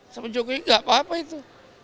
sama jokowi gak apa apa itu